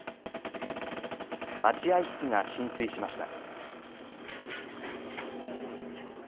待合室が浸水しました。